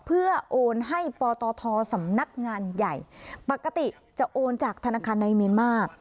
เพื่อโอนให้ปตทสำนักงานใหญ่ปกติจะโอนจากธนาคารในเมียนมาร์